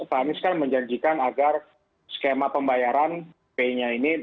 pak anies kan menjanjikan agar skema pembayaran pay nya ini